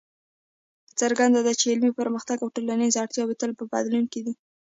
څرګنده ده چې علمي پرمختګ او ټولنیزې اړتیاوې تل په بدلون کې دي.